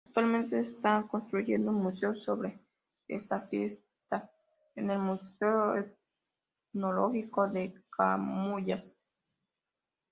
Actualmente se está construyendo un museo sobre esta fiesta, el Museo Etnológico de Camuñas.